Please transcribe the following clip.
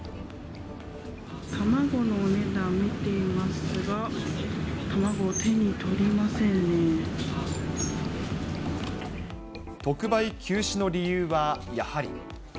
卵のお値段見ていますが、特売休止の理由はやはり。